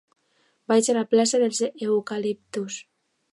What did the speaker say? Vaig a la plaça dels Eucaliptus.